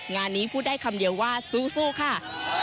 งานนี้พูดได้คำเดียวว่าสู้ค่ะ